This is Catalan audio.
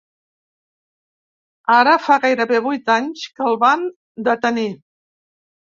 Ara fa gairebé vuit anys que el van detenir.